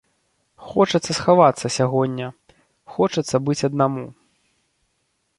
Хочацца схавацца сягоння, хочацца быць аднаму.